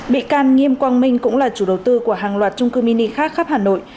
bị can nghiêm quang minh cũng là chủ đầu tư của hàng loạt trung cư mini khác khắp hà nội